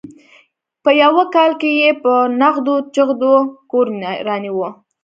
په یوه کال کې یې په نغدو چغدو کور رانیوه.